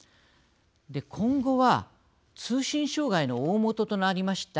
今後は通信障害の大本となりました